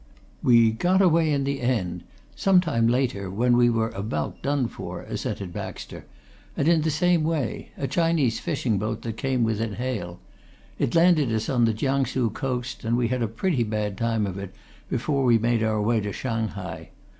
"We got away in the end some time later, when we were about done for," assented Baxter, "and in the same way a Chinese fishing boat that came within hail. It landed us on the Kiang Su coast, and we had a pretty bad time of it before we made our way to Shanghai.